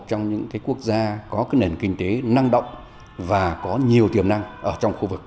trong những quốc gia có nền kinh tế năng động và có nhiều tiềm năng trong khu vực